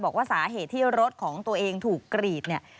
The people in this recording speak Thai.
บอกว่าสาเหตุที่รถของตัวเองถูกกรีดเนี่ย